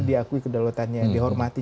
diakui kedaulatannya dihormati